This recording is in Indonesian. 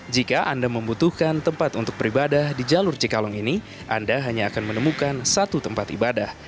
jika anda membutuhkan tempat untuk beribadah di jalur cikalong ini anda hanya akan menemukan satu tempat ibadah